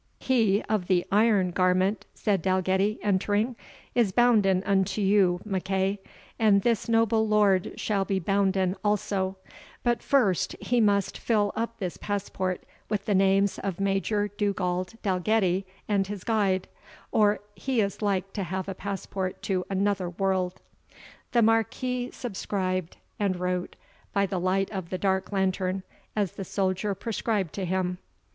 "He of the iron garment," said Dalgetty, entering, "is bounden unto you, MacEagh, and this noble lord shall be bounden also; but first he must fill up this passport with the names of Major Dugald Dalgetty and his guide, or he is like to have a passport to another world." The Marquis subscribed, and wrote, by the light of the dark lantern, as the soldier prescribed to him.